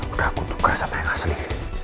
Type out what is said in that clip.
udah aku buka sama yang asli